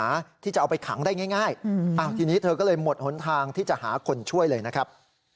ที่จะเอาไปขังได้ง่ายทีนี้เธอก็เลยหมดหนทางที่จะหาคนช่วยเลยนะครับ